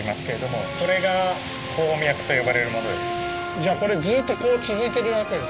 じゃあこれずっと続いてるわけですかこうやって。